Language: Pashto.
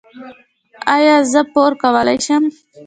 ایا زه پور کولی شم؟